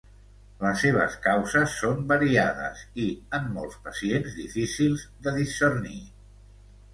Les seves causes són variades i, en molts pacients, difícils de discernir.